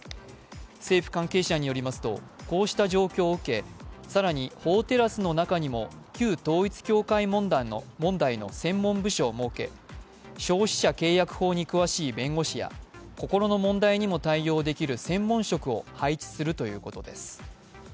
政府関係者によりますと、こうした状況を受け更に法テラスの中にも旧統一教会問題の専門部署を設け消費者契約法に詳しい弁護士や心の問題にも対応できる専門職を配置するということです。